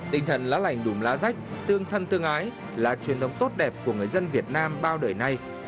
tinh thần lá lành đùm lá rách tương thân tương ái là truyền thống tốt đẹp của người dân việt nam bao đời nay